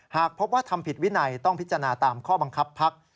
หากพบว่าทำผิดวินัยต้องพิจารณาตามข้อบังคับพัก